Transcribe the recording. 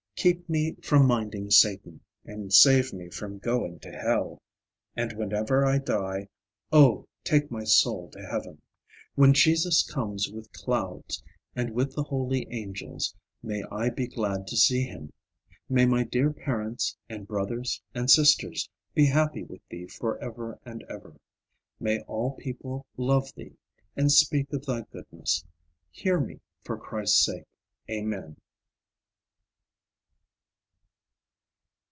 Keep me from minding Satan, And save me from going to hell: And whenever I die, O take my soul to Heaven. When Jesus comes with clouds, And with the holy angels, May I be glad to see Him. May my dear parents, and brothers, and sisters, Be happy with Thee for ever and ever. May all people love Thee, And speak of thy goodness. Hear me for Christ's sake. Amen.